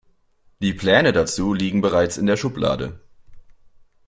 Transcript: Die Pläne dazu liegen bereits in der Schublade.